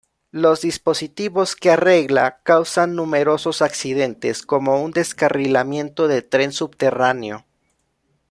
Los dispositivos que "arregla" causan numerosos accidentes, como un descarrilamiento de tren subterráneo.